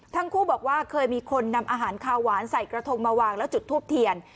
ทั้งคู่บอกว่าเคยมีคนนำอาหารคาวหวานใส่กระทงมาวางแล้วจุดทูบเทียน